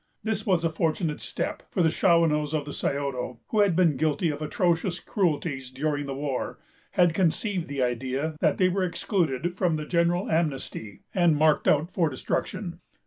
This was a fortunate step; for the Shawanoes of the Scioto, who had been guilty of atrocious cruelties during the war, had conceived the idea that they were excluded from the general amnesty, and marked out for destruction.